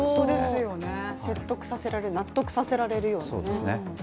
説得させられる、納得させられるような。